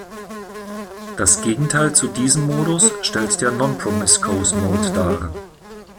Das Gegenteil zu diesem Modus stellt der "non-promiscuous mode" dar.